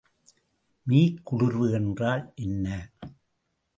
மீக்குளிர்வு என்றால் என்ன?